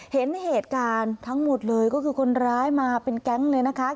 เห็นเหตุการณ์ทั้งหมดเลยก็คือคนร้ายมาเป็นแก๊งเลยนะคะ